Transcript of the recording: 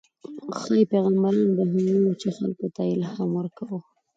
ښايي پیغمبران به هم وو، چې خلکو ته یې الهام ورکاوه.